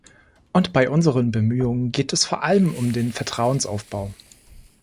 Und bei unseren Bemühungen geht es vor allem um den Vertrauensaufbau.